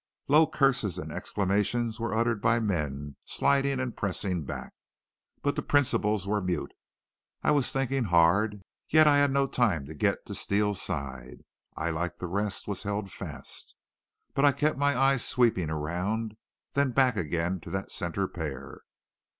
Low curses and exclamations were uttered by men sliding and pressing back, but the principals were mute. I was thinking hard, yet I had no time to get to Steele's side. I, like the rest, was held fast. But I kept my eyes sweeping around, then back again to that center pair.